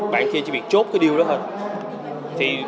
bạn kia chỉ biết chốt cái điều đó thôi